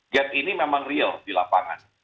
jet ini memang real di lapangan